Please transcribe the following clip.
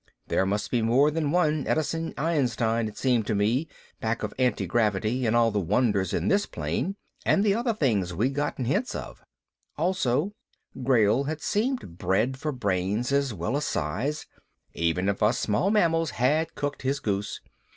There must be more than one Edison Einstein, it seemed to me, back of antigravity and all the wonders in this plane and the other things we'd gotten hints of. Also, Grayl had seemed bred for brains as well as size, even if us small mammals had cooked his goose.